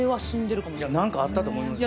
何かあったと思いますね。